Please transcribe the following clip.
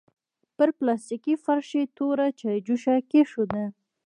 پر پلاستيکي فرش يې توره چايجوشه کېښوده.